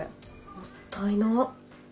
もったいない。